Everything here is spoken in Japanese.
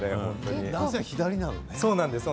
男性は左なのね。